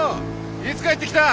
いつ帰ってきた？